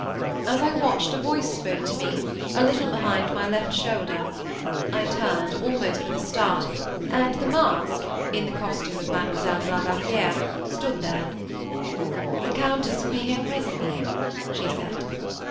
As I watched a voice spoke to me, a little behind my left shoulder. I turned, almost with a start, and the masque, in the costume of Mademoiselle de la Vallière, stood there. "The Countess will be here presently," she said.